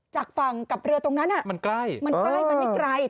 จากฝั่งกับเรือตรงนั้นมันใกล้มันใกล้มันไม่ไกล